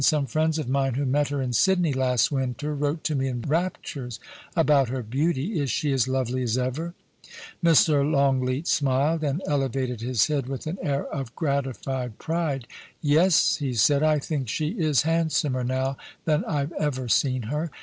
Some friends of mine who met her in Syciney last winter wrote to me in raptures about her beauty. Is she as lovely as ever ?* Mr. Longleat smiled, and elevated his head with an air of gratified pride. * Yes,' he said, * I think she is handsomer now than IVe ever seen her.